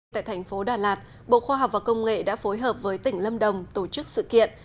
tại thành phố đà lạt bộ khoa học và công nghệ đã phối hợp với tỉnh lâm đồng tổ chức sự kiện